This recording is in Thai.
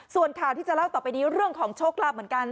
ส่วนข่าวที่จะเล่าต่อไปนี้เรื่องของโชคลาภเหมือนกัน